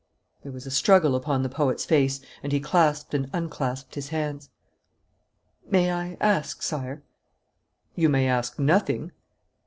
There was a struggle upon the poet's face, and he clasped and unclasped his hands. 'May I ask, sire ?' 'You may ask nothing.'